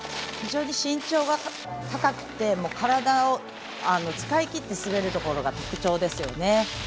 非常に身長が高くて体を使い切って滑るところが特徴ですよね。